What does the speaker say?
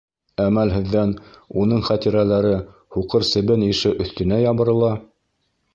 Әмәлһеҙҙән, уның хәтирәләре, һуҡыр себен ише, өҫтөнә ябырыла?